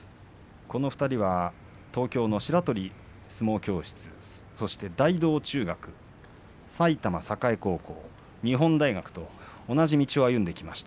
この２人は東京の白鳥相撲教室そして、大道中学埼玉栄高校、日本大学と同じ道を歩んできました。